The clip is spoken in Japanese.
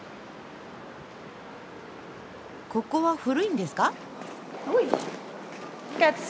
ここは古いんですか？